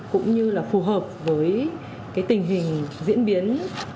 cũng như là phù hợp với tình hình diễn biến